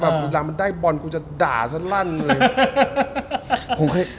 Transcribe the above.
เวลามันได้บอลกูจะด่าฉันลั่นเลย